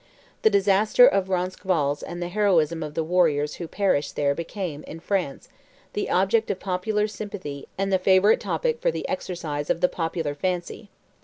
The disaster of Roncesvalles and the heroism of the warriors who perished there became, in France, the object of popular sympathy and the favorite topic for the exercise of the popular fancy.